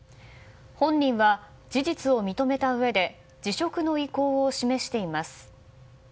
本人は事実を認めたうえで辞職の意向を示しています。